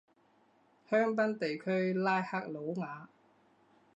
香槟地区拉克鲁瓦。